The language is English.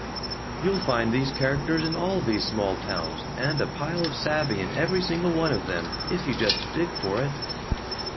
You'll find these characters in all these small towns, and a pile of savvy in every single one of them, if you just dig for it."